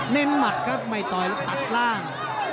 เน้นหมัดครับไม่ต่อยตัดล่าง